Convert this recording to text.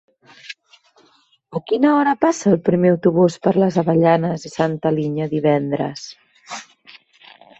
A quina hora passa el primer autobús per les Avellanes i Santa Linya divendres?